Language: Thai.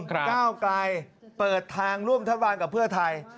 ก้าวไกลเปิดทางร่วมรัฐบาลกับเพื่อไทย